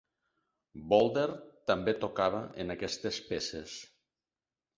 Bolder també tocava en aquestes peces.